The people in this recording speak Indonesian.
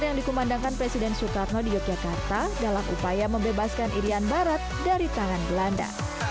dan yang dikumandangkan presiden soekarno di yogyakarta dalam upaya membebaskan irian barat dari tangan belanda